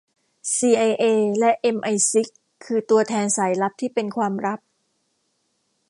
ซีไอเอและเอ็มไอซิกคือตัวแทนสายลับที่เป็นความลับ